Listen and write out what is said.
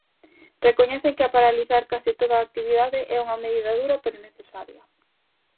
Recoñecen que paralizar case todo a actividade é unha medida dura pero necesaria.